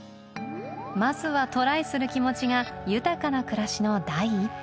まずはトライする気持ちが豊かな暮らしの第一歩